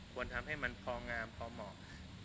ควรทำให้มันพองามพอเหมาะ